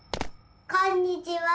こんにちは。